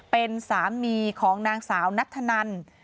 เป็นสามีของนางสาวนัทธนัน